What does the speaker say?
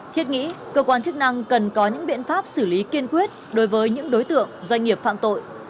thiết nghĩ cơ quan chức năng cần có những biện pháp xử lý kiên quyết đối với những đối tượng doanh nghiệp phạm tội